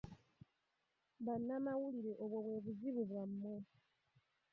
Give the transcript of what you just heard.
Bannamawulire obwo bwe buzibu bwammwe.